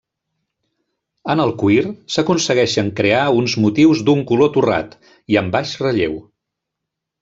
En el cuir s’aconsegueixen crear uns motius d’un color torrat, i amb baix relleu.